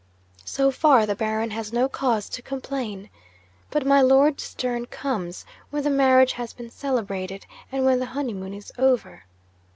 'So far, the Baron has no cause to complain. But my Lord's turn comes, when the marriage has been celebrated, and when the honeymoon is over.